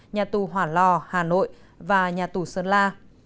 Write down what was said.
nhà tù hỏa lò hà nội và nhà tù sơn la